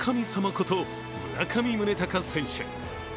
こと村上宗隆選手。